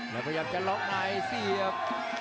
และก็ยับจะรอบไหนสี่เหยียบ